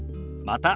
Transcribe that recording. また。